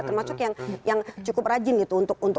termasuk yang cukup rajin gitu